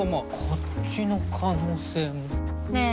こっちの可能性もねえ